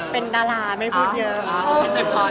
เป็นดาราไม่พูดเยอะ